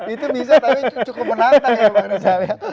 itu bisa tapi cukup menantang ya pak reza